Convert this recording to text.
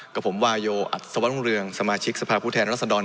กับผมวาโยอัศวรรุ่งเรืองสมาชิกสภาพผู้แทนรัศดร